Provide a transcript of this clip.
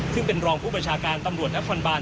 ซึ่งเป็นรองผู้บัญชาการตำรวจนครบาน